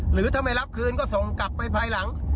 หรือถ้าไม่รับคืนก็ส่งกลับไปภายหลัง